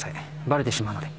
バレてしまうので